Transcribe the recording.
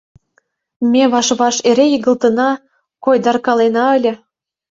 Ме ваш-ваш эре игылтына, койдаркалена ыле.